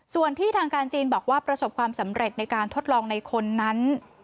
ส่วนที่ทางการจีนบอกว่าประสบความสำเร็จในการทดลองในคนนั้น